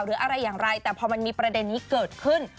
หรืออะไรอย่างไรแต่พอมันมีประเด็นนี้เกิดขึ้น